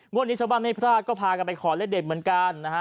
วันนี้ชาวบ้านไม่พลาดก็พากันไปขอเลขเด็ดเหมือนกันนะฮะ